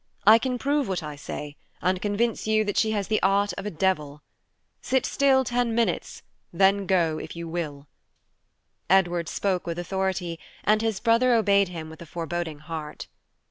I can prove what I say, and convince you that she has the art of a devil. Sit still ten minutes, then go, if you will." Edward spoke with authority, and his brother obeyed him with a foreboding heart.